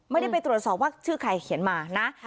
ไม่ได้ไปตรวจสอบว่าชื่อใครเขียนมานะ